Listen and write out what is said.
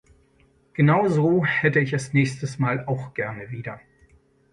Genau so hätte ich es nächstes Mal auch gerne wieder.